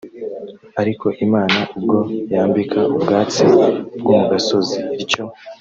Ariko Imana ubwo yambika ubwatsi bwo mu gasozi ityo